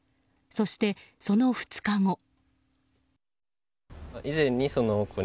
そして、その２日後。